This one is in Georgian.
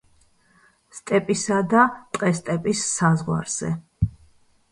სტეპისა და ტყესტეპის საზღვარზე.